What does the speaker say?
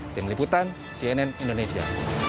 tim liputan cnn indonesia